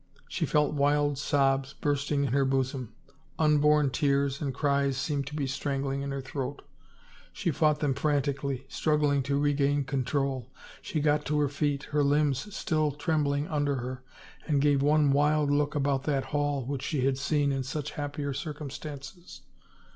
She felt wild sobs bursting in her bosom ; unborn tears and cries seemed to be strangling her in her throat. She fought them frantically, struggling to regain control. She got to her feet, her limbs still trembling under her, and gave one wild look about that hall which she had seen in such happier circumstances.